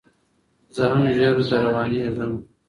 زه هم ژر در روانېږم